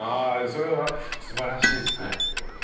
それは素晴らしいですね。